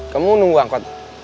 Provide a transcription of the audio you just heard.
kamu nunggu angkot